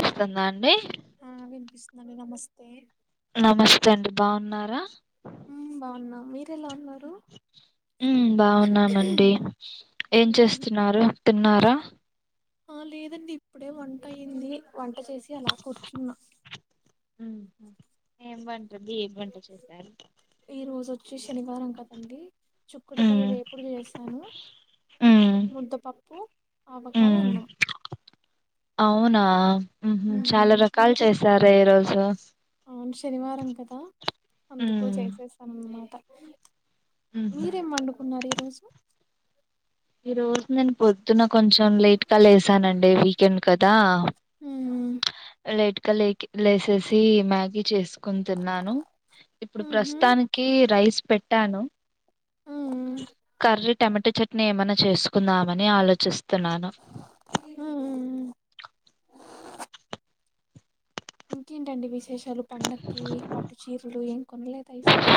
వస్తుందా అండి ఆ వినిపిస్తుందండి నమస్తే నమస్తే అండి బాగున్నారా ఉ బాగున్న మీరు ఎలా ఉన్నారు ఉ బాగున్నానండి ఏం చేస్తున్నారు తిన్నారా ఆ లేదండి ఇప్పుడే వంట అయింది వంట చేసి అలా కూర్చున్నా ఉ ఏం వంట గి వంట చేసారు అండి చుకుడుకాయ వేపుడు చేశాను ఉమ్ ముద్దపప్పు ఆవకాయ ఉమ్ అన్నం అవునా ఉ హు చాలా మ్మ్. రకాలు మీరు చేశారె ఈ రోజు అవును శనివారం కదా అందుకు ఉమ్ చేసేశాన్ అన్నమాట ఉహు మీరేం వండుకున్నారు ఈ రోజు ఈ రోజు నేను పొద్ ద్దున కొంచెం లేట్ గా లేసానండి వీకెండ్ కదా మ్మ్. లెట్ కలెకి లేసేసి మ్యాగీ చేస్ కుంటున్నాను ఇప్పుడు మ్హూ. ప్రస్తుతానికి రైస్ పెట్టాను మ్మ్. కర్రీ టమాటా చట్నీ ఏమైనా చేసుకుందామని ఆలోచిస్ స్తునాను మ్మ్. ఇంకేంటండి విశేషాలు పండక్కి పట్టు చీరలు ఏం కొనలేద ఈసారి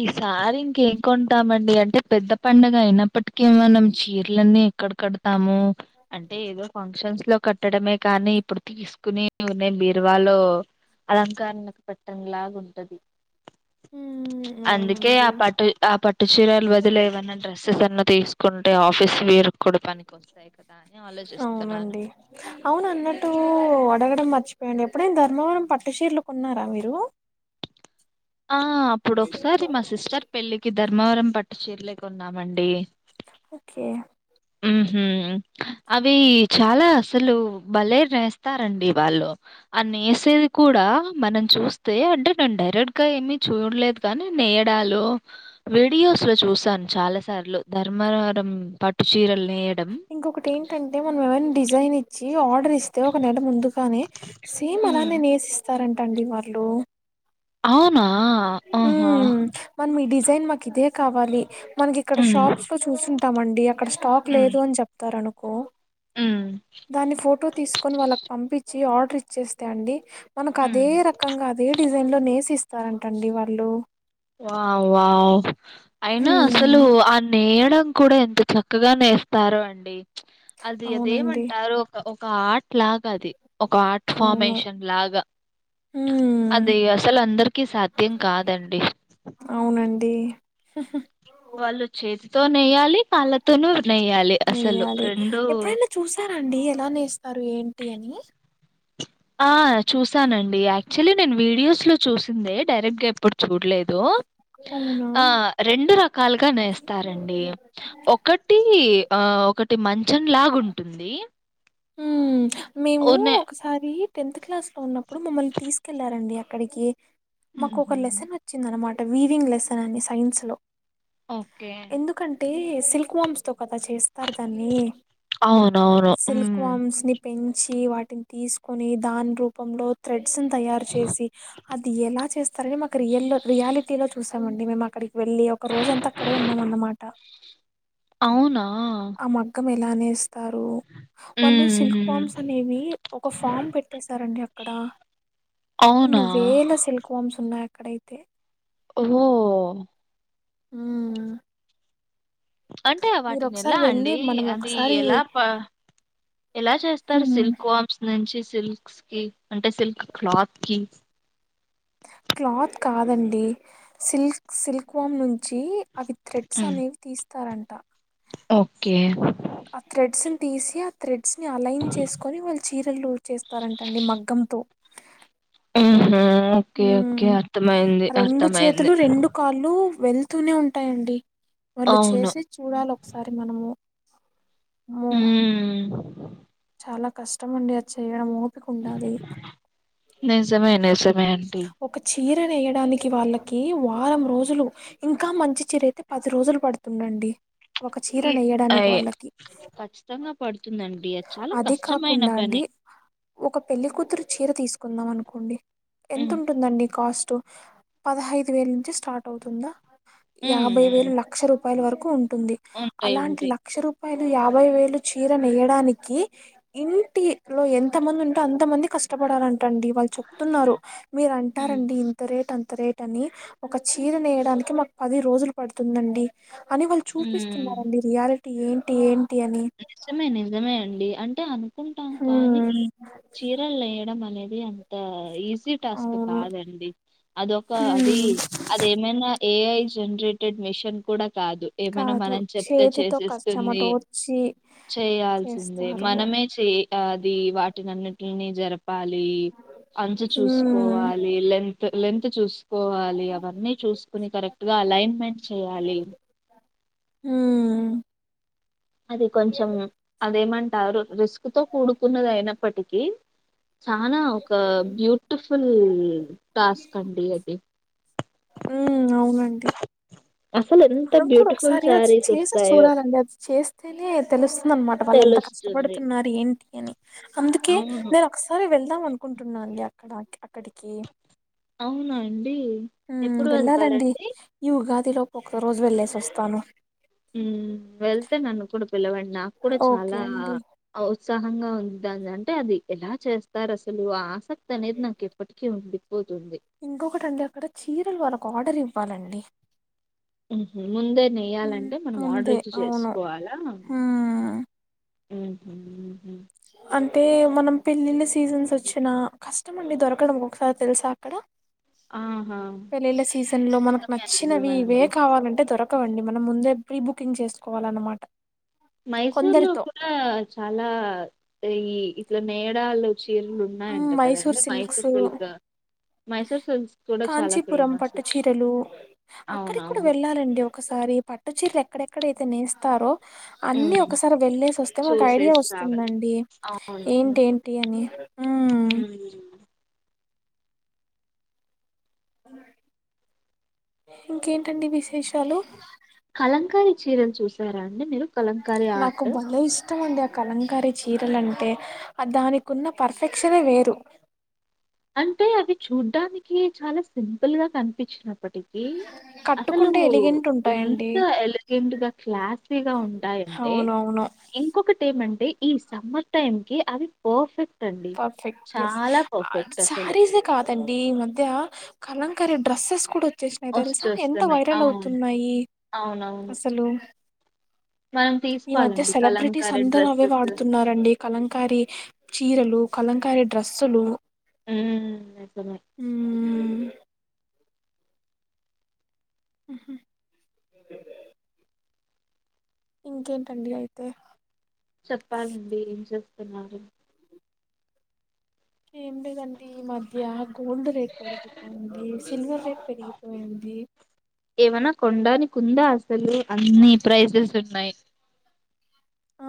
ఈసారి ఇంకేం కొంటామండి అంటే పెద్ద పండగ అయినా ఇప్పటికి మనం చీరలన్నీ ఎక్కడ కడతాము అంటే ఏదో ఫంక్షన్స్ లో కట్టడమే కానీ ఇప్పుడు తీసుకునే ఉన్నాయి బీర్వాలో అలంకరణకు పట్టనలాగా ఉంటది ఉమ్ అందుకే అవునండి ఆ పట్టు ఆ పట్టు చీరలు బదులేమన్నా డ్రెస్సెస్ అన్న తీస్ కుంటే ఆఫీస్లీరు ఔనండి ఔనన్నట్టూ అడగడం మర్చిప్ [unintelligible] ఎప్పుడైన్ ధర్మవరం పట్టు షీర్లు కొన్నారా మీరూ. ఆ అప్పుడొక్సారి మా సిస్టర్ పెళ్ళికి ధర్మవరం పట్టు చీర్లే కొన్నామండీ. ఒకే. ఉ హు అవి చాలా అసలు బలే నేస్తారండి వాళ్ళు అనె సేది కూడా మనం చూస్తే అంటే నేను డైరెక్ట్గా ఏమీ చూడలేదు కానీ నేయడాలు వీడియోస్ లో చూసాను చాలా సార్లు ధర్మవరం పట్టు చీరల్ ఇంకొకటి ఏంటంటె మనం ఏమైన డిజైన్ ఇ చ్చి ఆర్డరిస్తే ఒక నెల ముందుకానే సేమ్ హ్మ్. అలానే నెసిస్తారన్ టండి మర్లూ ఔనా ఆహా. జైన్ మాకిదే కావాలి మనకిక్కడ హ్మ్. షాప్స్ లొ చూసుంటామండి అ అక్కడ స్టాక్ హ్మ్. లేదు అని చెప్తారనుకో హ్మ్. దాన్ని ఫోటో తీస్కొన్ వాళ్ళక్ పంపి చ్చి ఆడ్రిచ్చేస్తే అండి హ్మ్. మనకదే రకంగ అదే డిజైన్లొ నేసి ఇస్తారన్ టండి వాళ్ళూ. వావ్ వావ్ ఐనా అసలూ హ్మ్ ఆ నేయడం కూడా ఎంత చక్కగా నేస్తారో అండి చ్ అది అవునండి అదేమంటారు ఒక ఒక ఆట్ ట్లాగది ఒక ఆట్ అవును ఫామేషన్ లాగ. హ్మ్ అది అసలందర్కీ సాధ్యం కాదండి. ఔనండీ. వాళ్ళు చేత్తో నేయ్యాలి. నెయ్యాలి రెండు ఎప్పుడైన చూసారండి ఎలా నేస్తారు ఏన్ టి అనీ. ఆ చూసానండి యాక్చలి నేన్ వీడియోస్లొ చూసిందే డైరెక్ట్గ ఎప్పుడ్ చూడ్లేదు అవునా ఆ రెండు ర కాల్గా నేస్తారండీ ఒకటీ ఆ ఒకటి మంచం లాగుంటుంది. ఊమ్ మేమూ ఓనే ఒకసారీ తెన్త్ క్లాస్లొ ఉన్నప్పుడు మమ్మల్ని తీసుకెళ్లారండి అక్కడికి మాకొక లెసనొచ్చిందినమాట్ ట వీవింగ్ లెసనని సైన్స్ లొ ఓకే ఎందుకంటే సిల్క్ వామ్స్తొ [unintelligible] చేస్తారు దాన్నీ అవునవును ఉమ్. సిల్క్ వామ్స్ని పెంచి ఈ వాటిన్ తీస్కొని దాన్ రూపంలో థ్రెడ్స్న్ తయార్ చేసి అది ఎలా చేస్ [unintelligible] మాకు రియల్లో రియాలిటీలో చూసామండి మేమక్కడికి వెళ్ళి ఒకరోజంత అక్కడే ఉన్నామన్నమాట. ఔన అ మగ్గమెలా నేేస్తారూ. వాళ్ళు సిల్క్ ఉమ్. వామ్సనేవి ఒక ఫామ్ పెట్టేసారండి అక్కడ. అవునా? కొన్ని వేల సిల్క్ వామ్సున్నాయ్ అక్కడైతే. ఒహో. ఊమ్. అంటే వాటినెలా వెళ్ళి అండీ మనం అదీ ఒకసారి ఎలా ప ఎలా చేస్తార్ సిల్క్ వామ్స్ నుంచి సిల్క్స్ కి అంటె సిల్క్ క్లాత్కి. క్లాత్ కాదండి సిల్క్ సిల్క్ వామ్ ను చీ అవి థ్రెడ్సనేవ్ తీస్తారంట. ఓక్కే. అ థ్రెడ్స్న్ తీసి అ థ్రెడ్ స్ని అలైన్ చేస్కొని వాళ్ళ్ చీరలూ చేస్తారంటండి మగ్గంతొ. ఊమ్హూ ఓక్కే ఓక్కే ఉమ్ అర్థమైంది రెండు అర్థమైంది. చేతులు రెండు కాళ్ళు వెళ్తూనే ఉంటాయండి వాళ్ళు అవును. చేసిది చూడాలి ఒకసారి మనము అమ్మో హ్మ్. చాల కష్టమండి అది చేయడము నిజమే నిజం ఒక చీర నేయడానికి వాళ్ళక్ కీ వారం రోజులు ఇంకా మంచి చీరైతె పది రోజులు పడుతుందండి. ఒక చీర ఈ నెయ్యడానికి అయ్ వాళ్ళకి ఖచ్చితంగా పడుతుందండి. చాలా అది కష్టమైన కాకుండా అండి పని. [unintelligible] ఒక పెళ్లికూతురు చీర తీసుకున్నామనుకోండి హ్మ్. ఎంతుంటుందండి కాస్టు. పదహైద్ వేల్ నుంచి స్టార్టవ్తుంద. హ్మ్. హ్మ్. యాభైవేలు లక్ష రూపాయల వరకూ ఉంటుంది ఉంటాయి. అలాంటి ఉంటాయి. లక్ష రూ పాయాలు యాభై వేలు చీర నెయడానికి ఇంటిలో ఎంత మంది ఉంటే అంత మంది కప్ కష్టపడాలంటండి వాళ్ళు చెప్తున్నారు మీరు హ్మ్. అంటారండి ఇంత రేట్ అ అంత రేట్ అని ఒక చీర నేయడానికి మాకు పది రోజులు పడుతుందండి అని వాళ్ళు హ్మ్. చూపిస్తున్నారండి రియాలిటీ ఏంటి ఏం నిజమే నిజమే అండి అంటే అ ఆనుకుంటాం కానీ ఉమ్, చీరలు నేయడం అనేది అంత ఈజీ జీ టాస్క్ అవును కాదండి అదొక అది ఉమ్. అదేమన్నా ఏఐ జనరేటెడ్ మిషన్ కూడ కాదు ఏమైన కాదు మనం చెప్తే చేతితో చేసిస్తుంది కష్టమటోర్చి చేయాల్సిందే చేస్తారు మనమే చే అది వాటినన్నింటిని జర పాలి అంచు ఉమ్ చూసుకోవాలి లెంత్ లెంతు చూసుకోవాలి అవన్నీ చూసుకుని కరెక్ట్ గ అలైన్మెంట్ చేయాలి హ్మ్ అది కొంచెం అదేమంటారు రిస్క్ తో కూడుకున్నది అయినప్పటికీ చాన ఒక బ్యూటిఫుల్ టాస్క్ అండి అది హ్మ్ అవునండి అసలు ఎంత మనం కూడ బ్యూటిఫుల్ ఒకసారి అ శారీస్ చేస వస్తాయో చూడాలండిది చేస్ చేస్తేనే తెలుస్తుంది అనమాట వాళ్ళు ఎంత తెలుస్తుంది. కష్టపడుతున్నారు ఏంటి అని అందుకే అవును నేను ఒకసారి వెళ్దాం అనుకుంటున్నాను అక్కడ అక్కడికి అవునాండి హ్మ్ వెళ్ళాలండి ఈ ఉగాది లోపు ఒక్క రోజు వెళ్ళేసి వస్తాను హ్మ్ వెళ్తే నన్ను కూడా పిలవండి నాకు కూడ ఓకే చాలా అండి అవ్ ఉత్సహంగ ఉంది దాని అంటే అది ఎలా చేస్తారు అసలు ఆ ఆసక్తి అనేది నాకు ఎప్పటికీ ఉంది ఇంకొకటండి అక్కడ చీరలు వాళ్ళకి ఆర్డర్ ఇవ్వాలండి ఉహు ముందే ఉమ్, నెయ్యాలంటే మనం ఆర్డర్ ముందే ఇచ్చి అవును చేసుకోవాలా ఉమ్ ఉహ్మ్ ఉహ్మ్ అంటే మనం పెళ్లిళ్ళ సీజన్స్ వచ్చిన కష్టమండి దొరకడం ఒకసారి తెలుసా అక్కడ ఆహా పెళ్ళిళ్ళ సీజన్ లో మనకు నిజమే నచ్చినవి నిజమే ఇవే అండి కావాలంటే దొర కవండి మనం ముందే ప్రీ బుకింగ్ చేసుకోవాలన్నమాట మైసూర్ లో కొందరితో కూడా చాలా ఈ ఇట్లా నేయడాలు చీరులు మ్, ఉన్నాయంట మైసూర్ కదండి సిల్క్స్ మైసూర్ సిల్గ కాంచీపురం పట్టుచీరలు అక్కడికి కూడ అవునవును. వెళ్ళాలండి ఒకసా రి మరి పట్టు చీరలు ఎక్కడెక్కడైతే నేస్తారో అన్నీ హ్మ్. ఒకసారి వెళ్ళేసి వస్తే మనకు ఐడియా చూసేసి రావాలి. వస్తుందండి అవును. హుహు. ఏంటేంటి అని ఉమ్ హ్మ్ ఇంకేంటండి విశేష కలంకారి చీరను చూసారా అండి మీరు కలంకారీ నాకు ఆర్ట్. భలే ఇష్టం అండి ఆ కలంకారి చీరలంటే దానికున్న పర్ఫెక్షనె వేరు అంటే అవి చూడ్డానికి చాల సింపుల్ గా కనిపించినప్పటికీ అసలు కట్టుకుంటే ఎలిగెంట్ ఉంటాయండి ఎంత ఎలిగెంట్గ క్లాసీగ ఉంటాయంటే అవునవును ఇంకొకటి ఏమంటే ఈ సమ్మర్ టైం కి అవి పోర్ఫెక్ట్ టండి పర్ఫెక్ట్ ఎస్ చాల పాఫ్ శారీసే కాదండి ఈ మధ్య కలంకర డ్రెస్సెస్ కూడ చ్చేసినాయి తెలుస ఎంత వచ్చేస్తున్నాయి వైరల్ అవును అవుతున్నాయి అవునవును అసలు మ ఈ మధ్య సెలబ్రిటీస్ అందరు అవే వాడుతున్నారండి కలంకారి చీరలు కలంకారి డ్రస్సులు హ్మ్ నిజమే [inaudible] ఉహ్మ్ ఇంకేంటండి అయితే చెప్పాలండి ఏం చేస్తున్నారు ఏం లేదండి ఈ మధ్య గోల్డ్ రేట్ పెరిగిపోయింది సిల్వర్ రేట్ పెరిగిపోయింది ఎ కొండానికి ఉంద అసలు అన్ని ప్రైసెస్ ఉన్నాయి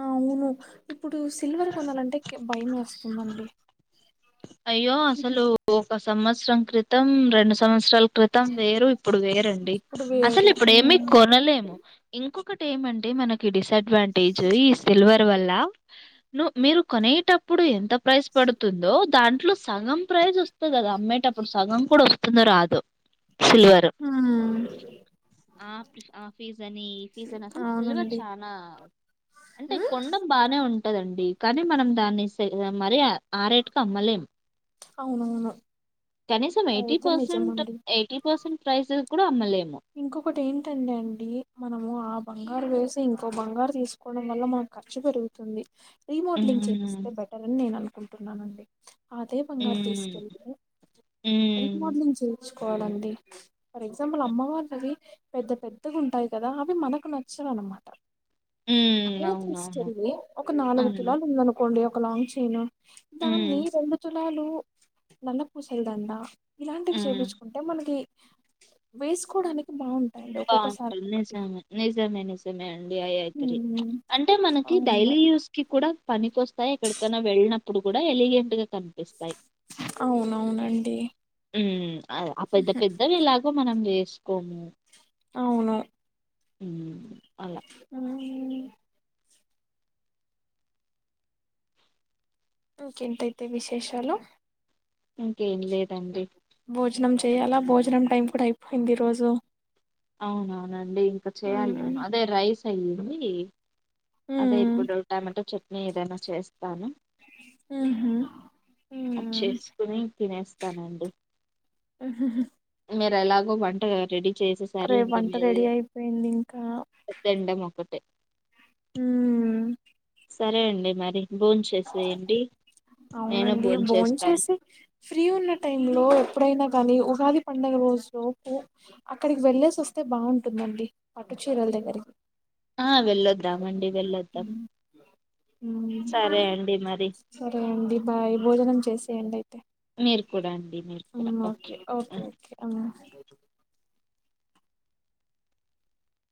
ఆ అవును ఇప్పుడు సిల్వర్ కొనాలంటే క్ భయం ఏస్తుందండి అయ్యో అసలు ఒక సంవత్సరం క్రితం రెండు సంవత్సరల్ క్రితం వేరు ఇప్పుడు వేరండి ఇప్పుడు అసలు వేరు ఇప్పుడ ఏమి ఉమ్, కొనలేము ఇంకో ఒకటి ఏమంటే మనకి డిసడ్వాంటేజ్ ఈ సిల్వర్ వల్ల ను మీరు కొనేటప్పుడు ఎంత ప్రైస్ పడుతుందో దాంట్లో సగం ప్రైజ్ ఒస్తద్ అద్ అమ్మేటపుడు సగం కూడా ఒస్తుందో రాదో హ్మ్ ఆప్ ఆ ఫీజని ఇ ఫీజని అసల్ సిల్వర్ అవునండి చానా అంటే ఉమ్, కొండం బానే ఉం టదండి కనీ మనం దాన్ని మరి ఆరేట్ కు అమ్మలేం అవునవును కనీసం ఎటీ అదైతే పెర్సెంట్ నిజమండి ఏటీ పర్సెట్ ప్రైసస్ కూడ అమ్మలేం ఇంకొకటి ఏంటండి అండి మనము ఆం బంగారు వేసి ఇంకో బంగారు తీసుకోవడం వల్ల మానకు ఖర్చు పెరుగుతుంది రీమోడలింగ్ మ్మ్ చేపిస్తే బెటర్ అని నేను అనుకుంటున్నండీ అదే బంగారు మ్మ్ తీసుకెళ్తే మ్మ్ రీమోడలింగ్ చే స్ కోవాలండి ఫర్ ఎగ్జాంపుల్ అమ్మవార అవి పెద్ద పెద్దగ ఉంటాయి కద అవి మనకు నచ్చవ్ అనమాట మ్మ్ అదె అవునవును తీసుకెళ్లి ఒక నాలుగు మ్మ్ తులాల్ ఉందనుకోండి ఒక లాంగ్ చైను దాన్ని మ్మ్ రెండు తులాలు నల్ల పూసలదండ ఇలాంటివి మ్మ్ చేపించుకుంటే మనకి వేసుకోడానిక్ బాగుంట నిజమే నిజమే నిజమే అండి అయి అగ్రీ ఉమ్, అంటే మనకి అవును డయల్ లీయూస్ కి కూడా పనికి వస్తాయి ఎక్కడికైనా ఏళ్ళినప్పుడు కూడా ఎలిగెంట్ గా కనిపిస్తాయి అవునవునండి హ్మ్ ఆ పెద్ద పెద్దవి ఎలాగో మనం వేసకోము అవును హ్మ్ అల హ్మ్ ఇంకేంటైతే విశేషాలు ఇంకేం లేదండి భోజనం చేయాల భోజనం టైం కూడ అయిపోయింది ఈరోజు అవునవునండి ఇంక చెయాలి నేను అదే రైస్ అయ్యింది అదే ఉమ్ ఇప్పుడు టమాట చట్నీ ఏదన్న చేస్తాను ఉహు ఉమ్ చేసుకొని తినేస్తానండి మ్ హ్ హ్ హ్ మీరు ఎలాగో వంట రెడీ చేసేసారు రేపు ఇంకా వంట మీరు రెడీ అయిపోయింది ఇంకా తిండం ఒకటే ట్ హ్మ్ సరే అండి మరి బోన్ చేసేయండి అవునండి బోంచేసి ఫ్రీ ఉన్న టైమ్ లో ఎప్పుడైన కాని ఉగాది పండుగ రోజు లోపు అక్కడికి వెళ్లేేసి వస్తే బాగుంటుందండి పట్టు చీరల దగ్గరికి ఆ వెళ్ళొద్దామండి వెళ్ళొద్దాం సరే మ్మ్ అండి మరి సరే అండి బాయ్ భోజనం చేసేయండి అయితే మీరు కూడా అండి మీరు కూడా ఉమ్ ఓకే ఓకే ఓకే ఆ